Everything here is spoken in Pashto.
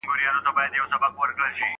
تا په لڅه سينه ټوله زړونه وړي